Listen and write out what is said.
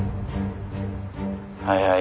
「はいはい。